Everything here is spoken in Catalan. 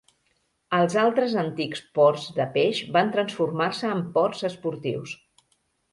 Els altres antics ports de peix van transformar-se en ports esportius.